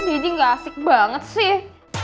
didi ga asik banget sih